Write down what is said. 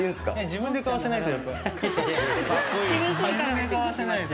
自分で買わせないと。